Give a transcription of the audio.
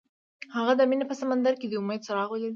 هغه د مینه په سمندر کې د امید څراغ ولید.